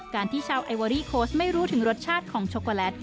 การที่ชาวไอเวอรี่โค้ชไม่รู้ถึงรสชาติของช็อกโกแลต